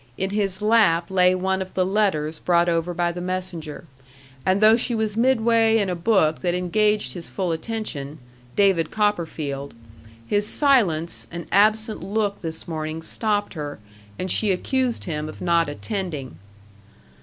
In his lap lay one of the letters brought over by the messenger: and though she was midway in a book that engaged his full attention DAVID COPPERFIELD his silence and absent look this morning stopped her, and she accused him of not attending.